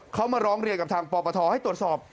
เขามาร้องเรียนกับทางปปทให้ตรวจสอบ